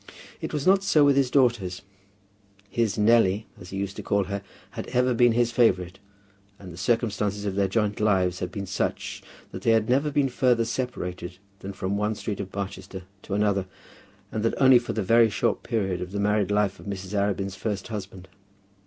It was not so with his daughters. His Nelly, as he had used to call her, had ever been his favourite, and the circumstances of their joint lives had been such, that they had never been further separated than from one street of Barchester to another, and that only for the very short period of the married life of Mrs. Arabin's first husband.